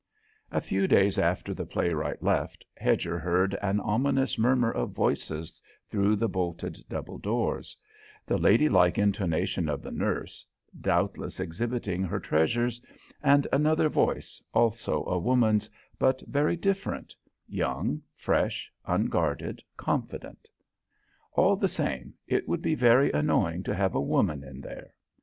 A few days after the playwright left, Hedger heard an ominous murmur of voices through the bolted double doors: the lady like intonation of the nurse doubtless exhibiting her treasures and another voice, also a woman's, but very different; young, fresh, unguarded, confident. All the same, it would be very annoying to have a woman in there.